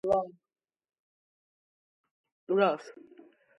ამ ვადის შემცირება შეიძლება კვებისა და ტემპერატურის საგანგებო რეჟიმის შექმნით.